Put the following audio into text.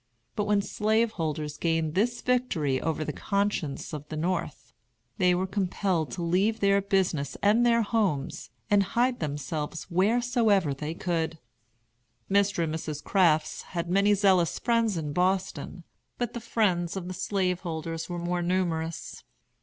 But when slaveholders gained this victory over the conscience of the North, they were compelled to leave their business and their homes, and hide themselves wheresoever they could. Mr. and Mrs. Crafts had many zealous friends in Boston, but the friends of the slaveholders were more numerous.